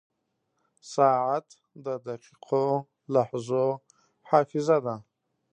• ساعت د دقیقو لحظو حافظه ده.